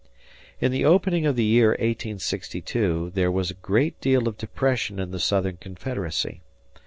In the opening of the year 1862 there was a great deal of depression in the Southern Confederacy.